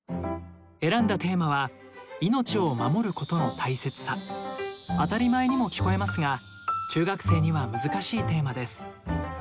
選んだテーマは当たり前にも聞こえますが中学生には難しいテーマです。